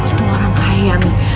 itu orang kaya ya mi